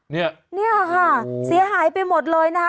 เนี่ยเนี่ยค่ะเสียหายไปหมดเลยนะคะ